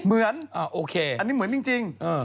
เหมือนโอเคอันนี้เหมือนจริง